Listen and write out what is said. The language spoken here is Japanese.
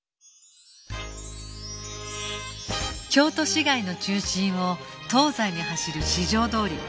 京都市街の中心を東西に走る四条通